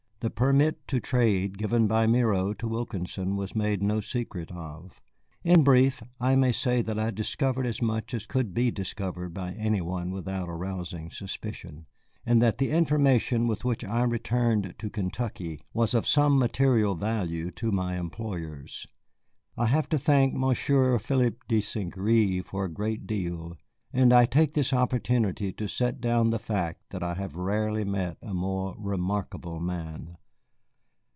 The permit to trade given by Miro to Wilkinson was made no secret of. In brief, I may say that I discovered as much as could be discovered by any one without arousing suspicion, and that the information with which I returned to Kentucky was of some material value to my employers. I have to thank Monsieur Philippe de St. Gré for a great deal. And I take this opportunity to set down the fact that I have rarely met a more remarkable man.